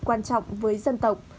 quan trọng với dân tộc